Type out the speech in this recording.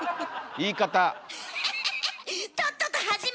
言い方